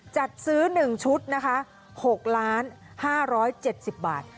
จัดซื้อหนึ่งชุดนะคะหกล้านห้าร้อยเจ็ดสิบบาท